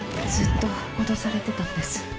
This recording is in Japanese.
ずっと脅されてたんです。